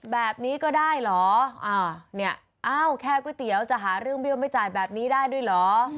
แบบนี้ก็ได้เหรออ่าเนี่ยอ้าวแค่ก๋วยเตี๋ยวจะหาเรื่องเบี้ยวไม่จ่ายแบบนี้ได้ด้วยเหรอ